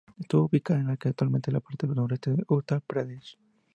Estuvo ubicada en lo que actualmente es la parte noreste de Uttar Pradesh.